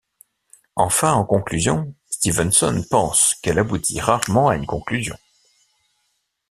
Enfin, en conclusion Stevenson pense qu’elle aboutit rarement à une conclusion.